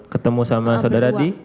ketemu sama saudara di